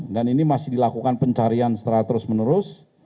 dan ini masih dilakukan pencarian setelah terus menerus